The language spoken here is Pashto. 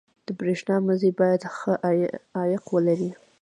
• د برېښنا مزي باید ښه عایق ولري.